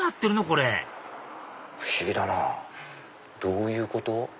これ不思議だなぁどういうこと？